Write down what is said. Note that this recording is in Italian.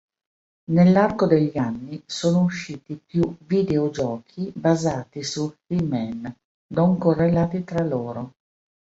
Nell'arco degli anni, sono usciti più videogiochi basati su He-Man, non correlati tra loro.